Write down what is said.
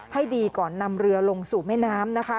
ให้ดีก่อนนำเรือลงสู่แม่น้ำนะคะ